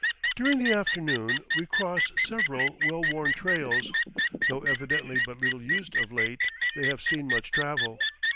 During the afternoon we cross several well worn trails; though evidently but little used of late, they have seen much travel.